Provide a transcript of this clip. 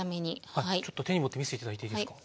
ちょっと手に持って見せて頂いていいですか？